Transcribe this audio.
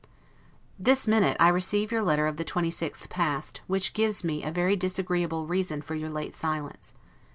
This minute, I receive your letter of the 26th past, which gives me a very disagreeable reason for your late silence.